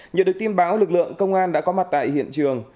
nhận được tin báo lực lượng công an đã có mặt tại hiện trường